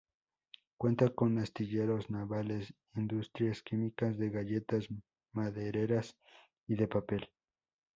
Cuenta con astilleros navales, industrias químicas, de galletas, madereras y de papel.